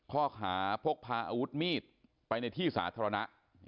ข้อหาพกพาอาวุธมีดไปในที่สาธารณะ